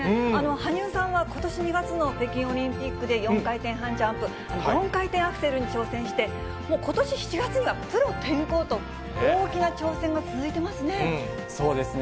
羽生さんはことし２月の北京オリンピックで４回転半ジャンプ、４回転アクセルに挑戦して、もうことし７月にはプロ転向と、そうですね。